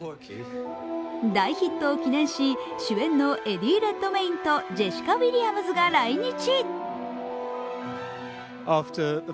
大ヒットを記念し、主演のエディ・レッドメインとジェシカ・ウィリアムズが来日。